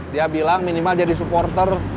dia bilang minimal jadi supporter